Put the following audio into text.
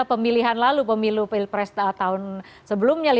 pemilihan lalu pemilu pilpres tahun sebelumnya